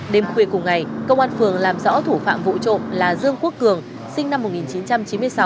đêm khuya cùng ngày công an phường làm rõ thủ phạm vụ trộm là dương quốc cường sinh năm một nghìn chín trăm chín mươi sáu